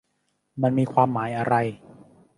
มันมีความหมายอะไร ?